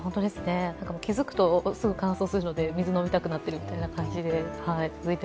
気付くとすぐ乾燥するので水飲みたくなってるみたいな感じで。